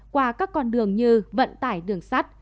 qua các con đường như vận tải đường sắt